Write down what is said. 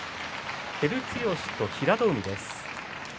照強と平戸海です。